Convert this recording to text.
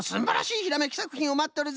ひらめきさくひんをまっとるぞ。